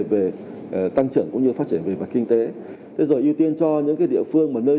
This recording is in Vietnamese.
về tăng trưởng cũng như phát triển về mặt kinh tế thế rồi ưu tiên cho những địa phương mà nơi